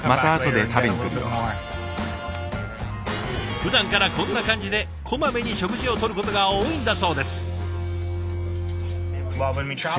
ふだんからこんな感じでこまめに食事をとることが多いんだそうです。